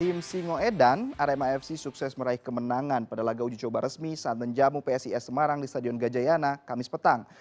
tim singoedan rmafc sukses meraih kemenangan pada lagau jicoba resmi saat menjamu psis semarang di stadion gajayana kamis petang